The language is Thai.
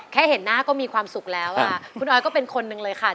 เห็นหน้าก็มีความสุขแล้วคุณออยก็เป็นคนหนึ่งเลยค่ะ